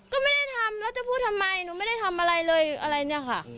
ก็ไม่ได้ทำแล้วจะพูดทำไมหนูไม่ได้ทำอะไรเลยอะไรเนี่ยค่ะ